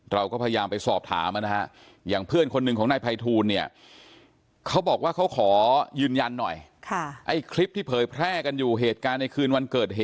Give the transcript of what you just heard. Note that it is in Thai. เราก็พยายามไปสอบถาม